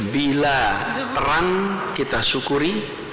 bila terang kita syukuri